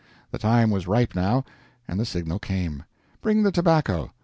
The time was ripe, now, and the signal came: "Bring the tobacco."